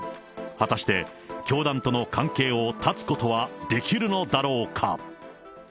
果たして教団との関係を断つことはできるのだろうか。